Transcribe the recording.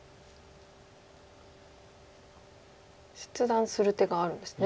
切断する手があるんですね。